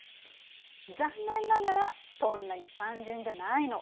残念ながらそんなに単純じゃないの。